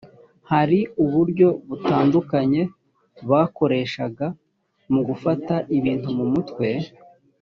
hari uburyo butandukanye bakoreshaga mu gufata ibintu mu mutwe